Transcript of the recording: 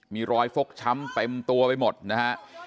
มีรอยฟกช้ำเต็มตัวไปหมดนะฮะ